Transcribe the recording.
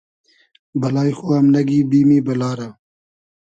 بئلای خو ام نئگی بیمی بئلا رۂ